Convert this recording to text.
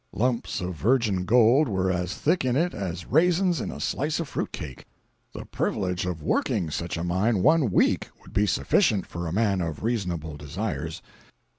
Lumps of virgin gold were as thick in it as raisins in a slice of fruit cake. The privilege of working such a mine one week would be sufficient for a man of reasonable desires.